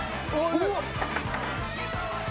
うわっ！